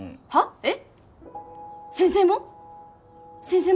えっ？